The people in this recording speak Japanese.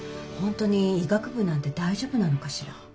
本当に医学部なんて大丈夫なのかしら。